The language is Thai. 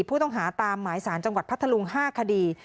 ผู้ต้องหาตามหมายสารจังหวัดพัทธลุง๕คดี